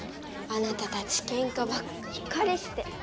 あなたたちけんかばっかりして。